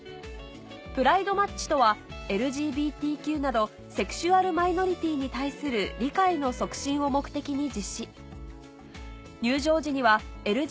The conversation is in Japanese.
プライドマッチとはＬＧＢＴＱなどセクシュアルマイノリティーに対する理解の促進を目的に実施入場時にはＬＧＢＴＱの象徴となる